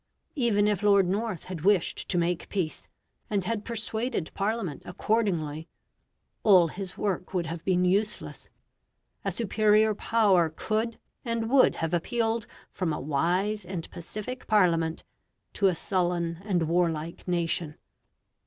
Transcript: Even if Lord North had wished to make peace, and had persuaded Parliament accordingly, all his work would have been useless; a superior power could and would have appealed from a wise and pacific Parliament to a sullen and warlike nation.